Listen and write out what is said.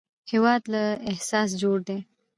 هېواد له احساس جوړ دی